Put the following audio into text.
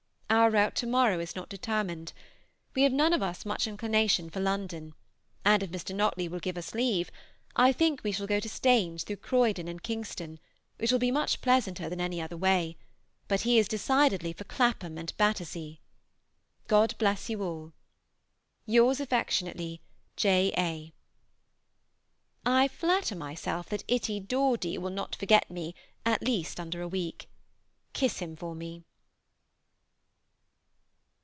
Our route to morrow is not determined. We have none of us much inclination for London, and if Mr. Nottley will give us leave, I think we shall go to Staines through Croydon and Kingston, which will be much pleasanter than any other way; but he is decidedly for Clapham and Battersea. God bless you all! Yours affectionately, J. A. I flatter myself that itty Dordy will not forget me at least under a week. Kiss him for me.